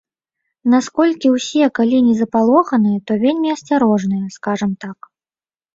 Настолькі ўсе калі не запалоханыя, то вельмі асцярожныя, скажам так.